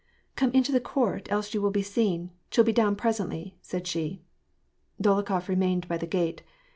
'< Come into the court, else you will be seen ; she'll be down presently," said she. Dolokhof remained by the gate.